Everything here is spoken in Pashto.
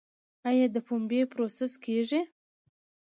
آیا د پنبې پروسس کیږي؟